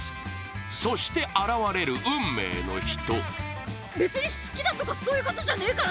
そして現れる運命の人。